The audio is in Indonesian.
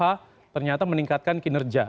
itu adalah yang menurunkan kinerja